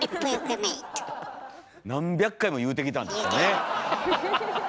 何百回も言うてきたんでしょうね。